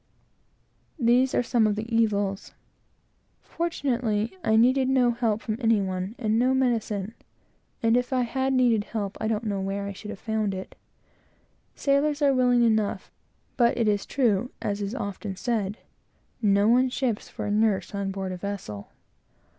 These are some of the evils. Fortunately, I needed no help from any one, and no medicine; and if I had needed help, I don't know where I should have found it. Sailors are willing enough; but it is true, as is often said No one ships for nurse on board a vessel.